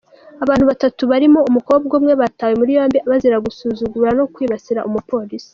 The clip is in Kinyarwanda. Abantu batatu barimo umukobwa umwe, batawe muri yombi bazira gusuzugura no kwibasira umupolisi.